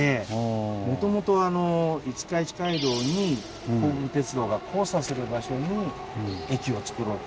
もともと五日市街道に甲武鉄道が交差する場所に駅をつくろうと。